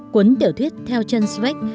cuốn tiểu thuyết theo chân svek